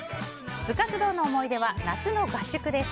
部活動の思い出は夏の合宿です。